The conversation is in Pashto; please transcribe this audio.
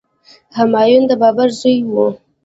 همایون د بابر زوی و.